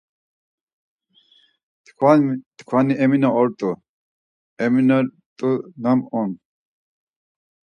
T̆ǩvani Emine ort̆u, Emine rt̆uyi nam on!